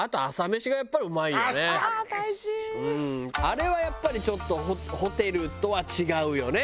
あれはやっぱりちょっとホテルとは違うよね。